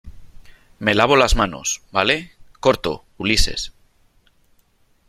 me lavo las manos ,¿ vale ? corto .¡ Ulises !